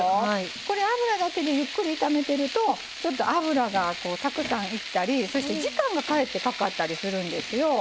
これ油だけでゆっくり炒めてるとちょっと油がたくさん要ったりそして時間がかえってかかったりするんですよ。